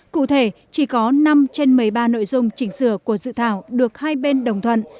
cụ thể chỉ có năm trên một mươi ba nội dung chỉnh sửa của dự thảo được hai bên đồng thuận